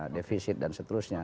defisit dan seterusnya